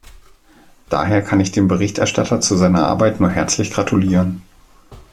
Daher kann ich dem Berichterstatter zu seiner Arbeit nur herzlich gratulieren.